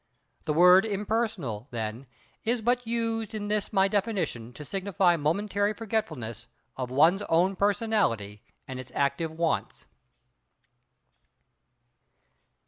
The word "impersonal," then, is but used in this my definition to signify momentary forgetfulness of one's own personality and its active wants.